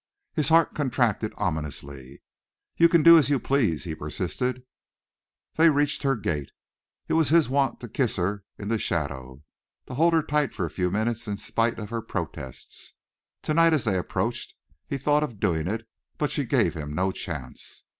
His heart contracted ominously. "You can do as you please," he persisted. They reached her gate. It was his wont to kiss her in the shadow to hold her tight for a few minutes in spite of her protests. Tonight, as they approached, he thought of doing it, but she gave him no chance.